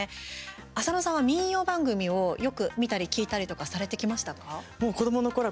浅野さんは民謡番組をよく見たり聴いたりとかされてきましたか？